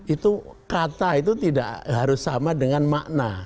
itu kata itu tidak harus sama dengan makna